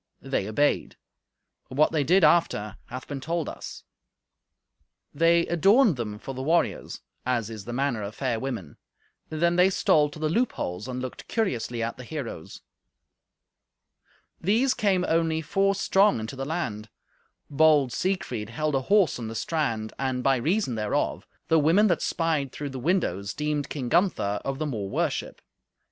They obeyed; but what they did after hath been told us. They adorned them for the warriors, as is the manner of fair women; then they stole to the loopholes and looked curiously at the heroes. These came only four strong into the land. Bold Siegfried held a horse on the strand, and, by reason thereof, the women that spied through the windows deemed King Gunther of the more worship.